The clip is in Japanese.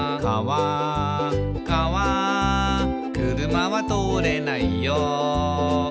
「かわ車は通れないよ」